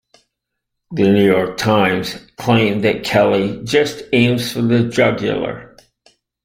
The "New York Times" claimed that Kelley "just aims for the jugular.